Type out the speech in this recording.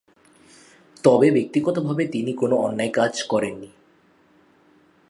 তবে ব্যক্তিগতভাবে তিনি কোনও অন্যায় কাজ করেননি।